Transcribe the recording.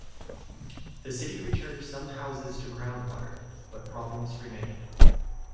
The city returned some houses to ground water, but problems remained.